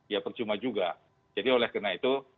ya percuma juga jadi oleh karena itu